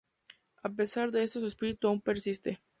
A pesar de esto, su espíritu aún persiste.